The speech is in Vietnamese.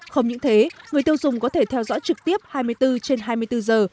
không những thế người tiêu dùng có thể theo dõi trực tiếp hai mươi bốn trên hai mươi bốn giờ